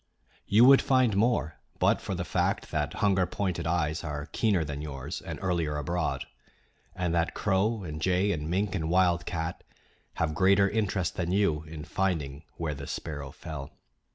You would find more but for the fact that hunger pointed eyes are keener than yours and earlier abroad, and that crow and jay and mink and wildcat have greater interest than you in finding where the sparrow fell.